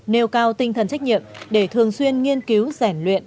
nêu cao tinh thần trách nhiệm để thường xuyên nghiên cứu rèn luyện